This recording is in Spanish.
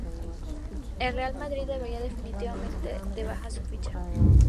El Real Madrid daría definitivamente de baja su ficha.